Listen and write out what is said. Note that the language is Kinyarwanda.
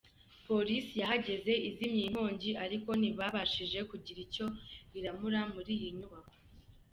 Police yahageze izimya iyi nkongi ariko ntiyabashije kugira icyo iramura muri iyi nyubako.